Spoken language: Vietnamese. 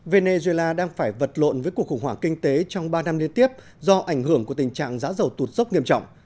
venezuela đang phải vật lộn với cuộc khủng hoảng kinh tế trong ba năm liên tiếp do ảnh hưởng của tình trạng giá dầu tụt dốc nghiêm trọng